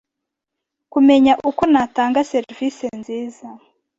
kumenya uko natanga serivisi nziza